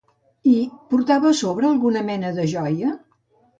I portava a sobre alguna mena de joia?